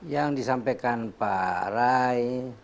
yang disampaikan pak ray